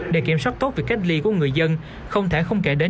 để kiểm soát tốt việc cách ly của người dân không thể không kể đến